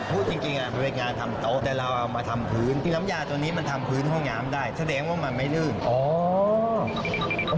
พูดจริงมันเป็นงานทำโต๊ะแต่เราเอามาทำพื้นที่น้ำยาตัวนี้มันทำพื้นห้องน้ำได้แสดงว่ามันไม่ลื่นอ๋อ